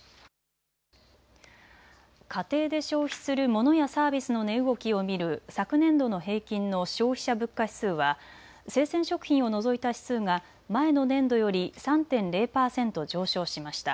家庭で消費するモノやサービスの値動きを見る昨年度の平均の消費者物価指数は生鮮食品を除いた指数が前の年度より３．０％上昇しました。